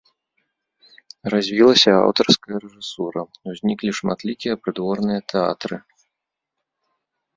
Развілася аўтарская рэжысура, узніклі шматлікія прыдворныя тэатры.